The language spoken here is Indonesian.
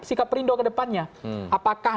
sikap perindo ke depannya apakah